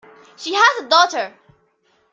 She has a daughter.